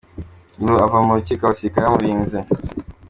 Lulu ava mu rukiko abasirikare bamurinze .